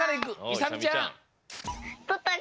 いさみちゃん。